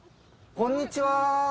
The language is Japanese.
こんにちは。